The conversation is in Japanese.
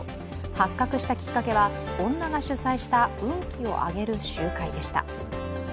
発覚したきっかけは女が主催した運気を上げる集会でした。